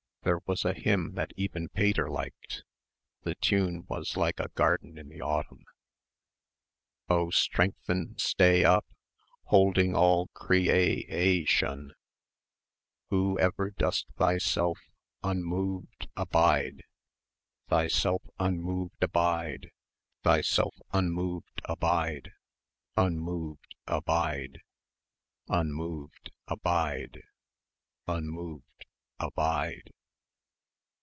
There was a hymn that even Pater liked ... the tune was like a garden in the autumn.... O ... Strengthen and Stay up ... Holding all Cre ay ay tion.... Who ... ever Dost Thy ... self un ... Moved a Bide.... Thyself unmoved abide ... Thyself unmoved abide ... Unmoved abide.... Unmoved abide.... Unmoved Abide